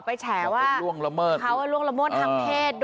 ว่าเขาล่วงละเมิดทั้งเพศ